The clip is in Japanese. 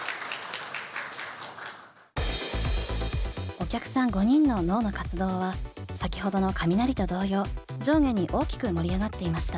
お客さん５人の脳の活動は先ほどのカミナリと同様上下に大きく盛り上がっていました。